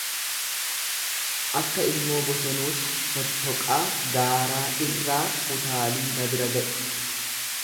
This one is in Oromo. akka ilmoo bosonuus fottoqaa gaaraa irraa utaalii na bira ga'i!